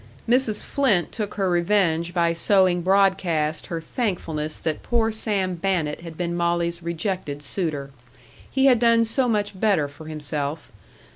Mrs. Flynt took her revenge by sowing broadcast her thankfulness that poor Sam Bannett had been Molly's rejected suitor. He had done so much better for himself.